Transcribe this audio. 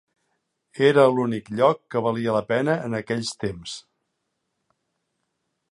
Era l'únic lloc que valia la pena en aquells temps.